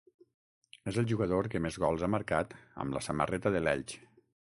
És el jugador que més gols ha marcat amb la samarreta de l'Elx.